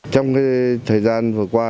trong thời gian vừa qua